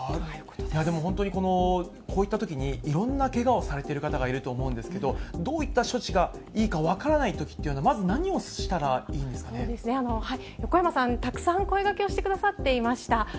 でも、本当にこういったときに、いろんなけがをされている方がいると思うんですけど、どういった処置がいいか分からないときっていうのは、まず何をし横山さん、たくさん声がけをしてくださっていました。